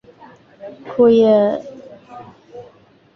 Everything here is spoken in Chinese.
库页堇菜为堇菜科堇菜属的植物。